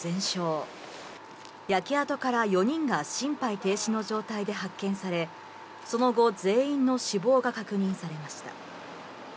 焼け跡から４人が心肺停止の状態で発見され、その後、全員の死亡が確認されました。